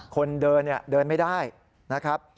คนเดินเดินไม่ได้นะครับ